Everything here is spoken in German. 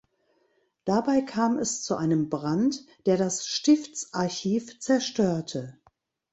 Dabei kam es zu einem Brand, der das Stiftsarchiv zerstörte.